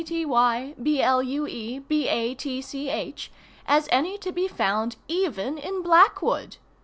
T. T. Y. B. L. U. E. B. A. T. C. H. as any to be found even in Blackwood.